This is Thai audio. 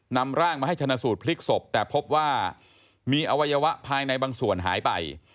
นำร่างมาให้ชนะสูตรพลิกศพแต่พบว่ามีอวัยวะภายในบางส่วนหายไป